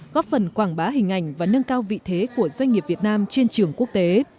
góp phần quảng bá hình ảnh và nâng cao vị thế của doanh nghiệp việt nam trên trường quốc tế